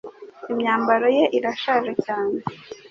Imyambaro ye irashaje cyane